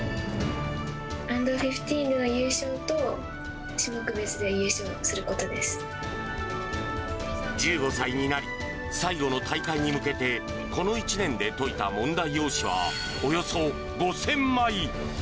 アンダー１５での優勝と、１５歳になり、最後の大会に向けて、この１年で解いた問題用紙は、およそ５０００枚。